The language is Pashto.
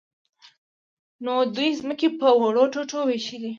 نو دوی ځمکې په وړو ټوټو وویشلې.